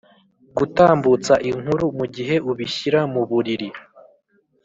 gutambutsa inkuru mugihe ubishyira muburiri